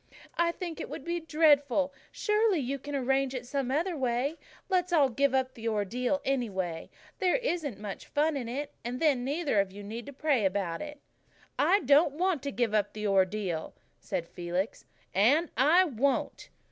"I think it would be dreadful. Surely you can arrange it some other way. Let's all give up the Ordeal, anyway. There isn't much fun in it. And then neither of you need pray about it." "I don't want to give up the Ordeal," said Felix, "and I won't."